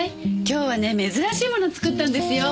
今日はね珍しいもの作ったんですよ。